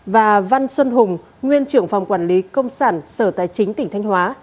và văn xuân hùng nguyên trưởng phòng quản lý công sản sở tài chính tỉnh thanh hóa